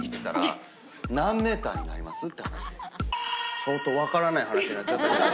相当分からない話になったけど。